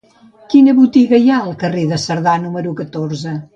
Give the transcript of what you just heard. Quina botiga hi ha al carrer de Cerdà número catorze?